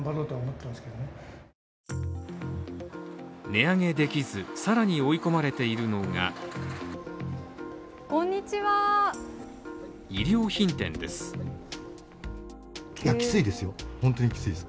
値上げできず、更に追い込まれているのが衣料品店です。